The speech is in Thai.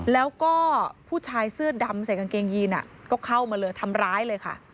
แล้วก็ผู้ชายเสื้อดำใส่กางเกงยีนก็เข้ามาเลยทำร้ายเลยค่ะ